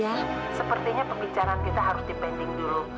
ya sepertinya pembicaraan kita harus dipending dulu